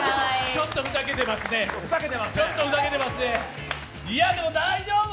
ちょっとふざけてますね、でも大丈夫。